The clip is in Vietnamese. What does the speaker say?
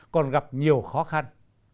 còn gặp nhiều khó khăn